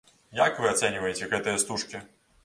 Як вы ацэньваеце гэтыя стужкі?